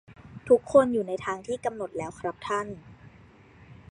ทุกคนอยู่ในทางที่กำหนดแล้วครับท่าน